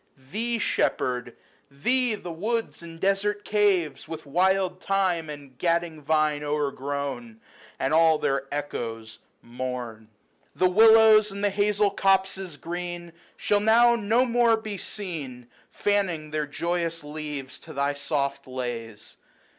Thee, Shepherd, thee the woods and desert caves, With wild thyme and the gadding vine o'ergrown, 40 And all their echoes, mourn. The willows, and the hazel copses green, Shall now no more be seen Fanning their joyous leaves to thy soft lays.